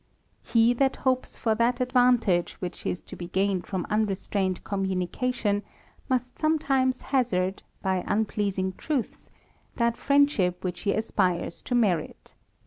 He that hopes for that advantage which is to be gained from unrestrained communication, must some times hazard, by unpleasing truths, that friendship which he aspires to merit.